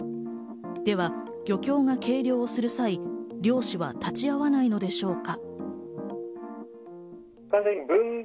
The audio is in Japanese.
では漁協が計量する際、漁師は立ち会わないのでしょうか？